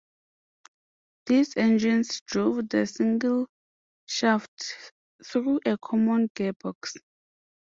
These engines drove the single shaft through a common gearbox.